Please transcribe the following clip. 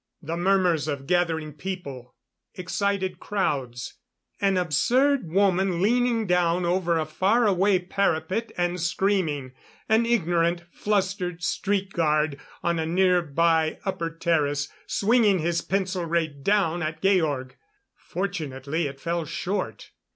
The murmurs of gathering people ... excited crowds ... an absurd woman leaning down over a far away parapet and screaming ... an ignorant, flustered street guard on a nearby upper terrace swinging his pencil ray down at Georg.... Fortunately it fell short.